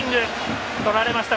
とられました